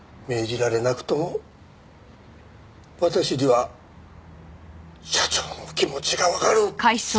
命じられなくとも私には社長の気持ちがわかる。